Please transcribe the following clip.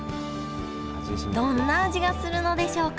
どんな味がするのでしょうか？